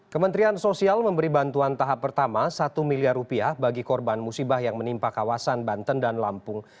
kementerian sosial memberi bantuan tahap pertama satu miliar rupiah bagi korban musibah yang menimpa kawasan banten dan lampung